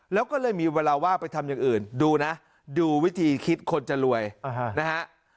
แล้วก็เลยมีเวลาว่าไปทำอย่างอื่นดูนะดูวิธีคิดคนจะรวยนะฮะ